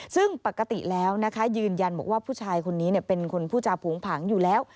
ซึ่งปกติแล้วนะคะยืนยันบอกว่าผู้ชายคนนี้เป็นคนผู้จาโผงผังอยู่แล้ว